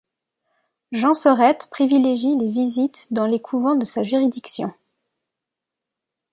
Jean Soreth privilégie les visites dans les couvents de sa juridiction.